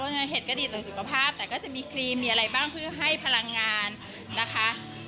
เงินเห็ดก็ดีต่อสุขภาพแต่ก็จะมีครีมมีอะไรบ้างเพื่อให้พลังงานนะคะ